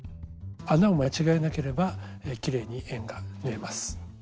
穴を間違えなければきれいに円が縫えます。